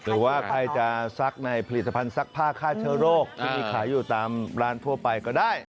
หรือว่าใครจะซักในผลิตภัณฑ์ซักผ้าฆ่าเชื้อโรคที่มีขายอยู่ตามร้านทั่วไปก็ได้